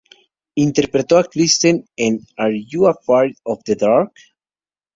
Interpretó a Kristen en "Are You Afraid of the Dark?